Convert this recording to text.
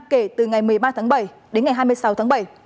kể từ ngày một mươi ba tháng bảy đến ngày hai mươi sáu tháng bảy